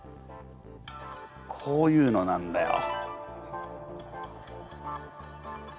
こういうのなんだよ。